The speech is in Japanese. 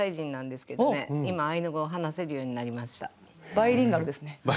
バイリンガルですね。